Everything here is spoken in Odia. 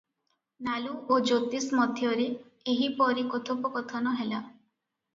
ନାଲୁ ଓ ଜ୍ୟୋତିଷ ମଧ୍ୟରେ ଏହିପରି କଥୋପକଥନ ହେଲା ।